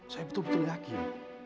saya betul betul yakin